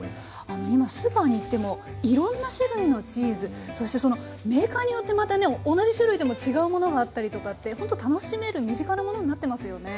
あの今スーパーに行ってもいろんな種類のチーズそしてそのメーカーによってまたね同じ種類でも違うものがあったりとかってほんと楽しめる身近なものになってますよね。